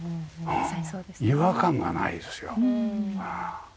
違和感がないですよ。